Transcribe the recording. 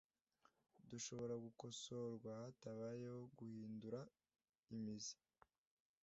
dushobora gukosorwa hatabayeho guhindura imizi